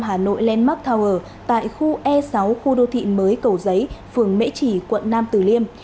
hà nội landmark tower tại khu e sáu khu đô thị mới cầu giấy phường mễ trì quận nam tử liêm